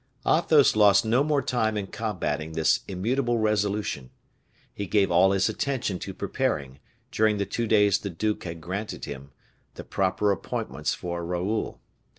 Athos lost no more time in combating this immutable resolution. He gave all his attention to preparing, during the two days the duke had granted him, the proper appointments for Raoul.